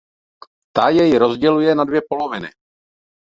Ta jej rozděluje na dvě poloviny.